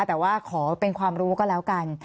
แต่ว่าขอเป็นความรู้ก็แล้วกัน